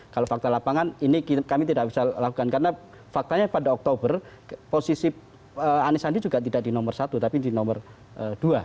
kalau fakta lapangan ini kami tidak bisa lakukan karena faktanya pada oktober posisi anis andi juga tidak di nomor satu tapi di nomor dua